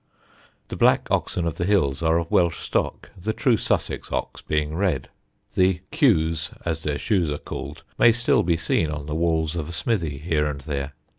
The black oxen of the hills are of Welsh stock, the true Sussex ox being red. The "kews," as their shoes are called, may still be seen on the walls of a smithy here and there.